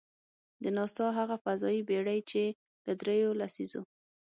د ناسا هغه فضايي بېړۍ، چې له درېیو لسیزو .